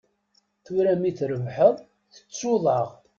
Tura mi trebḥeḍ, tettuḍ-aɣ.